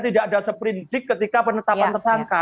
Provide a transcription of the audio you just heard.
tidak ada seprindik ketika penetapan tersangka